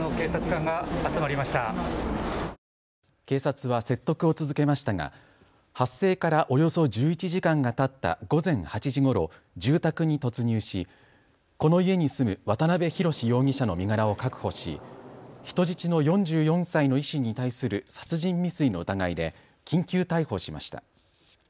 警察は説得を続けましたが発生からおよそ１１時間がたった午前８時ごろ住宅に突入しこの家に住む渡邊宏容疑者の身柄を確保し人質の４４歳の医師に対する殺人未遂の疑いで緊急逮捕しました。